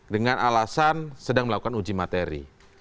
dengan alasan sedang melakukan uji materi